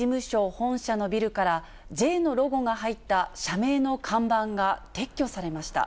本社のビルから、Ｊのロゴが入った社名の看板が撤去されました。